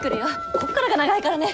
こっからが長いからね！